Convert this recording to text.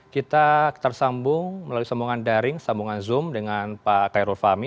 kita tersambung melalui sambungan daring sambungan zoom dengan pak kairul fahmi